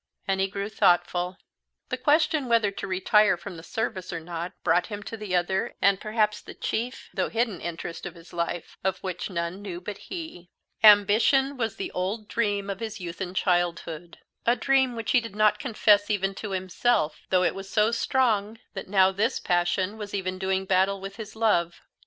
And he grew thoughtful. The question whether to retire from the service or not brought him to the other and perhaps the chief though hidden interest of his life, of which none knew but he. Ambition was the old dream of his youth and childhood, a dream which he did not confess even to himself, though it was so strong that now this passion was even doing battle with his love.